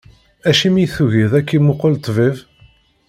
Acimi i tugiḍ ad k-imuqel ṭṭbib?